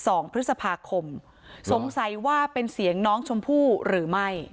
สองพฤษภาคมสงสัยว่าเป็นเสียงน้องชมพู่หรือไม่